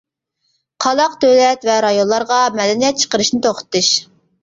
قالاق دۆلەت ۋە رايونلارغا مەدەنىيەت چىقىرىشنى توختىتىش.